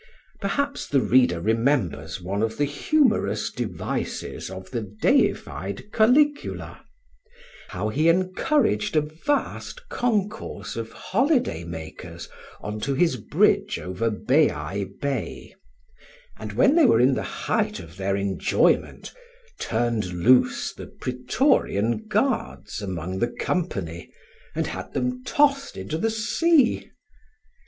Perhaps the reader remembers one of the humorous devices of the deified Caligula: how he encouraged a vast concourse of holiday makers on to his bridge over Baiae bay; and when they were in the height of their enjoyment, turned loose the Praetorian guards among the company, and had them tossed into the sea.